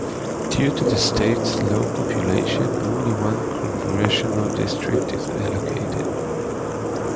Due to the state's low population, only one congressional district is allocated.